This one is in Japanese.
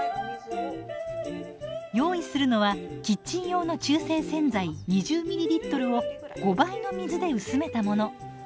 用意するのはキッチン用の中性洗剤２０ｍｌを５倍の水で薄めたもの。